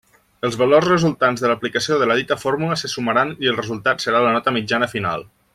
Els valors resultants de l'aplicació de la dita fórmula se sumaran i el resultat serà la nota mitjana final.